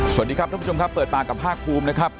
สวัสดีครับทุกผู้ชมครับเปิดปากกับภาคภูมินะครับ